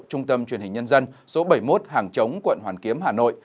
trung tâm truyền hình nhân dân số bảy mươi một hàng chống quận hoàn kiếm hà nội